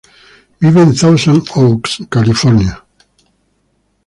Vive en Thousand Oaks, California.